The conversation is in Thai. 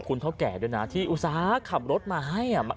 คุณเท่าแก่ด้วยนะที่อุตส่าห์ขับรถมาให้